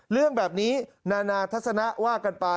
เรื่องแบบนี้นานาทัศนะว่ากันไป